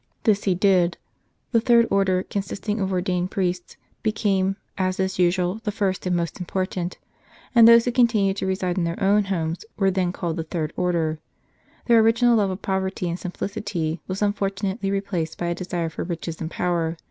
This he did; the Third Order, consisting of ordained priests, became, as is usual, the First and most important, and those who continued to reside in their own homes were then called the Third Order. Their original love of poverty and simplicity was unfortunately replaced by a desire for riches and power.